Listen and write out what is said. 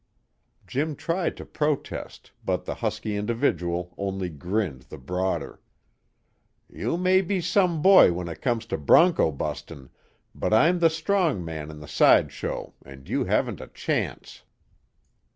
Jim tried to protest, but the husky individual only grinned the broader. "You may be some boy when it comes to bronco bustin', but I'm the Strong Man in the sideshow, and you haven't a chance."